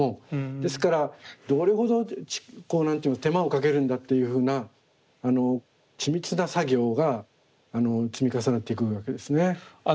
ですからどれほど手間をかけるんだというふうな緻密な作業が積み重なっていくわけですね。